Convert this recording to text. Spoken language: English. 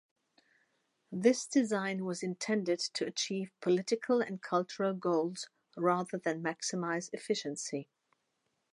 This design was intended to achieve political and cultural goals rather than maximize efficiency.